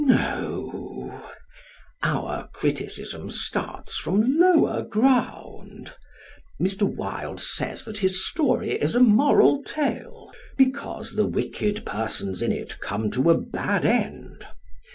No; our criticism starts from lower ground. Mr. Wilde says that his story is a moral tale, because the wicked persons in it come to a bad end.